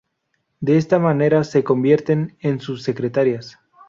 De esta manera, se convierten en sus "secretarias".